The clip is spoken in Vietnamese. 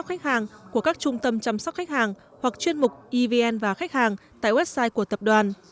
các khách hàng có thể truy cập vào cổng giao tiếp điện tử của các trung tâm chăm sóc khách hàng hoặc chuyên mục evn và khách hàng tại website của tập đoàn